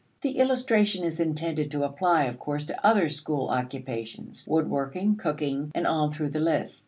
The illustration is intended to apply, of course, to other school occupations, wood working, cooking, and on through the list.